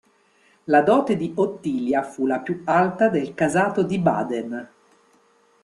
La dote di Ottilia fu la più alta del casato di Baden.